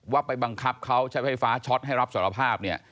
ว่าไปบังคับเขาใช้ไฟฟ้าช็อตให้รับสารภาพเนี่ย